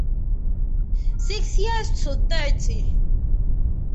Six years to thirty!